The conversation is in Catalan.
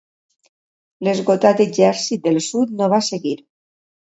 L'esgotat exèrcit del sud no va seguir.